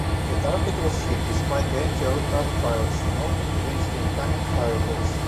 The target was hit, despite the anti-aircraft fire soon opened against the incoming 'fireballs'.